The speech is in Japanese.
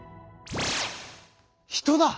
人だ！